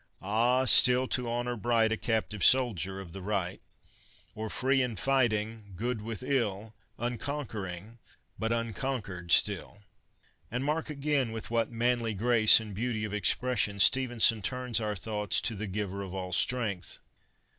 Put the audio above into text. Ah, still, to honour bright, A captive soldier of the right 1 Or free and fighting, good with ill ? Unconquering but unconquered still ! And mark again with what ' manly grace ' and beauty of expression Stevenson turns our thoughts to the ' Giver of all strength.'